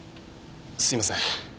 すいません。